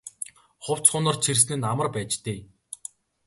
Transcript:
Хувцас хунар чирсэн нь амар байж дээ.